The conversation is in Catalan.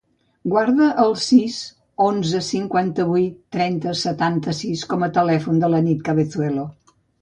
Guarda el sis, onze, cinquanta-vuit, trenta, setanta-sis com a telèfon de la Nit Cabezuelo.